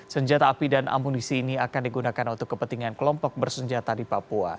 senjata api dan amunisi ini akan digunakan untuk kepentingan kelompok bersenjata di papua